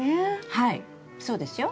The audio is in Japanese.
はいそうですよ。